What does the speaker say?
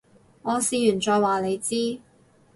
我試完再話你知